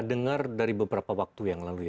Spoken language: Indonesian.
dengar dari beberapa waktu yang lalu